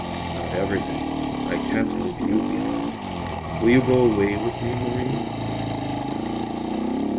"Not everything. I can't leave you behind. Will you go away with me, Marie?"